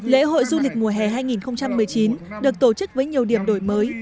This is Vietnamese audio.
lễ hội du lịch mùa hè hai nghìn một mươi chín được tổ chức với nhiều điểm đổi mới